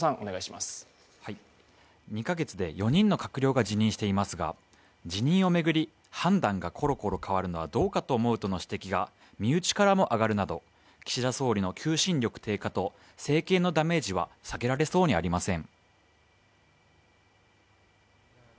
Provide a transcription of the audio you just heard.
２か月で４人の閣僚が辞任していますが辞任を巡り判断がころころ変わるのはどうかと思うとの指摘が身内からも上がるなど、岸田総理の求心力低下と政権のダメージは避けられそうにありません。